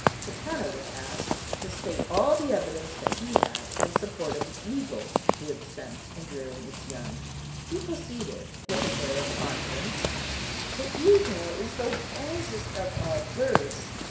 Chatanna was asked to state all the evidence that he had in support of the eagle's good sense in rearing its young. He proceeded with an air of confidence: "The eagle is the wisest of all birds.